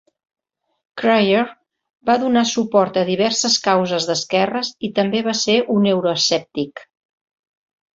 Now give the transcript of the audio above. Cryer va donar suport a diverses causes d'esquerres i també va ser un euroescèptic.